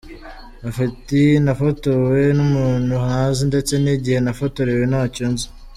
Ati “Nafotowe n’umuntu ntazi ndetse n’igihe nafotorewe ntacyo nzi.